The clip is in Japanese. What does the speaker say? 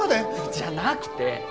じゃなくて！